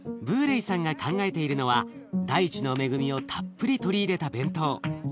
ブーレイさんが考えているのは大地の恵みをたっぷり取り入れた弁当。